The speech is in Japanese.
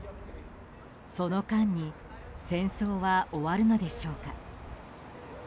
その間に戦争は終わるのでしょうか。